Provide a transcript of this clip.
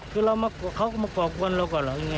คือเขาก็มาก่อกวนเราก่อนเหรอยังไง